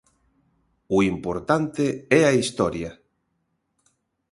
O importante é a historia.